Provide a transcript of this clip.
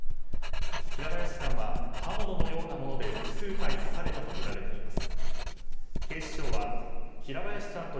平林さんは刃物のようなもので複数回刺されたとみられています。